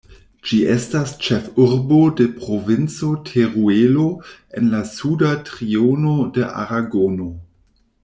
Ĝi estas ĉefurbo de Provinco Teruelo en la suda triono de Aragono.